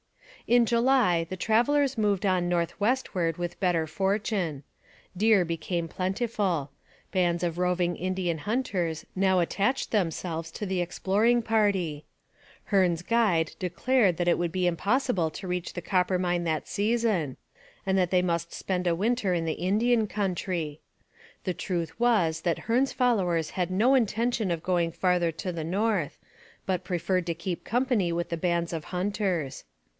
In July the travellers moved on north westward with better fortune. Deer became plentiful. Bands of roving Indian hunters now attached themselves to the exploring party. Hearne's guide declared that it would be impossible to reach the Coppermine that season, and that they must spend a winter in the Indian country. The truth was that Hearne's followers had no intention of going farther to the north, but preferred to keep company with the bands of hunters.